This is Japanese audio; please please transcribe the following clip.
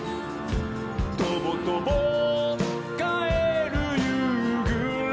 「とぼとぼかえるゆうぐれふいに」